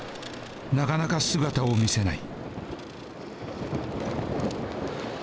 なかなか姿を見せない。